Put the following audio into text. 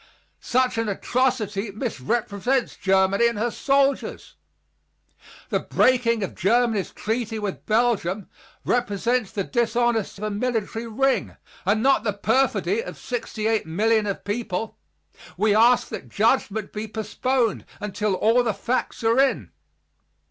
Such an atrocity misrepresents Germany and her soldiers. The breaking of Germany's treaty with Belgium represents the dishonor of a military ring, and not the perfidy of 68,000,000 of people. We ask that judgment be postponed until all the facts are in."